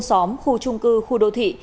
xóm khu trung cư khu đô thị